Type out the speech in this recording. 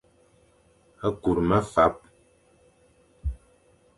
Kur mefap.